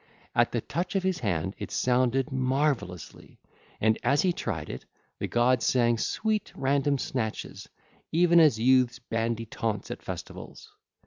At the touch of his hand it sounded marvellously; and, as he tried it, the god sang sweet random snatches, even as youths bandy taunts at festivals.